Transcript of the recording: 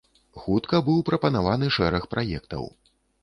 Хутка быў прапанаваны шэраг праектаў.